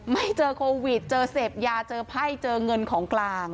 ไม่เจอโควิดเจอเสพยาเจอไพ่เจอเงินของกลาง